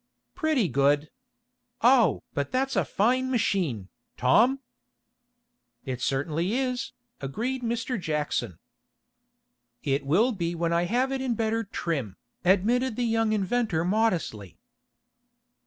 "Pretty good. Oh! but that's a fine machine, Tom!" "It certainly is," agreed Mr. Jackson. "It will be when I have it in better trim," admitted the young inventor modestly.